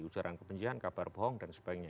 ujaran kebencian kabar bohong dan sebagainya